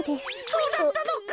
そうだったのか！